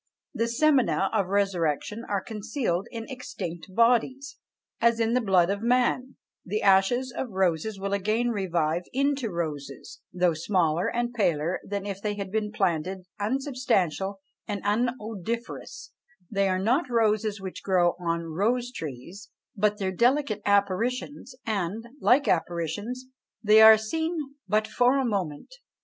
The semina of resurrection are concealed in extinct bodies, as in the blood of man; the ashes of roses will again revive into roses, though smaller and paler than if they had been planted; unsubstantial and unodoriferous, they are not roses which grow on rose trees, but their delicate apparitions; and, like apparitions, they are seen but for a moment!